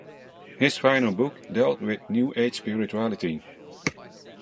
His final book dealt with New Age spirituality.